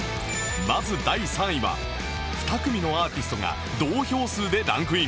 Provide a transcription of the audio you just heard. まず第３位は２組のアーティストが同票数でランクイン